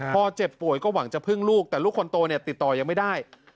พอเจ็บป่วยก็หวังจะพึ่งลูกแต่ลูกคนโตเนี่ยติดต่อยังไม่ได้